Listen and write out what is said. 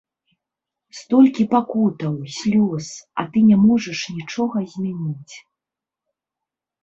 Столькі пакутаў, слёз, а ты не можаш нічога змяніць.